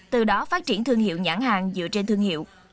từ đó phát triển thương hiệu nhãn hàng dựa trên thương hiệu